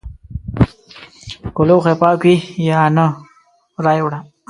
که لوښي پاک وي یا نه رایې وړه!